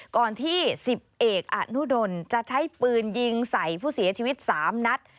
ก่อนที่๑๐เอกอนุดลจะใช้ปืนยิงใส่ผู้เสียชีวิต๓นัด